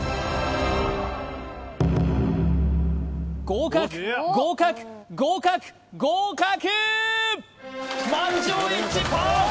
合格合格合格合格！